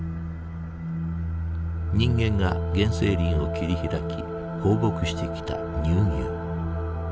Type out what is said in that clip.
人間が原生林を切り開き放牧してきた乳牛。